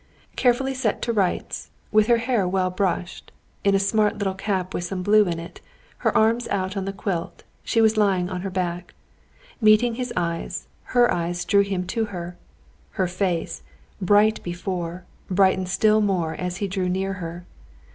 Carefully set to rights, with hair well brushed, in a smart little cap with some blue in it, her arms out on the quilt, she was lying on her back. Meeting his eyes, her eyes drew him to her. Her face, bright before, brightened still more as he drew near her.